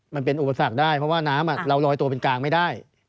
มันเป็นอุปสรรคได้เพราะว่าน้ำเราลอยตัวเป็นกลางไม่ได้